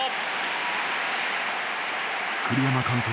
栗山監督